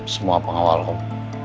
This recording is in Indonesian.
semua pengawal om